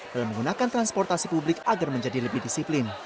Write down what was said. dalam menggunakan transportasi publik agar menjadi lebih disiplin